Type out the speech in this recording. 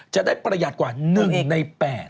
จะได้ประหยัดกว่า๑ใน๘